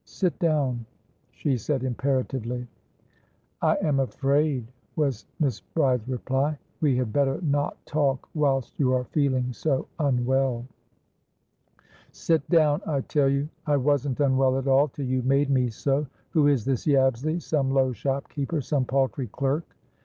"Sit down," she said imperatively. "I am afraid," was Miss Bride's reply, "we had better not talk whilst you are feeling so unwell." "Sit down, I tell you! I wasn't unwell at all, till you made me so. Who is this Yabsley? Some low shopkeeper? Some paltry clerk?"